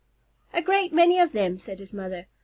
"A great many of them," said his mother.